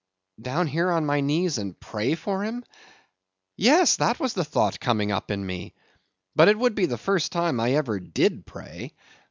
—down here on my knees and pray for him? Yes, that was the thought coming up in me; but it would be the first time I ever did pray.